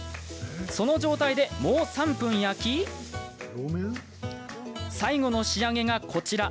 その状態で、もう３分焼き最後の仕上げが、こちら。